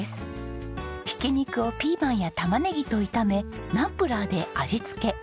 ひき肉をピーマンや玉ねぎと炒めナンプラーで味付け。